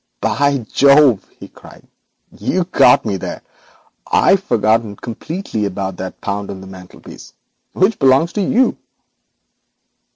'By Jove,' he cried, 'you've got me there. I'd forgotten entirely about that pound on the mantelpiece, which belongs to you.'